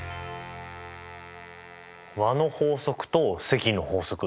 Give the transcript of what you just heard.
和の法則と積の法則。